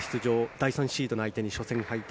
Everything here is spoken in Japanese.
第３シードの相手に初戦敗退。